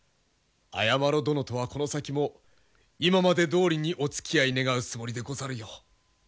綾麿殿とはこの先も今までどおりにおつきあい願うつもりでござるよ。